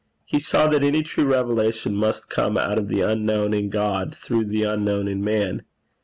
He saw that any true revelation must come out of the unknown in God through the unknown in man.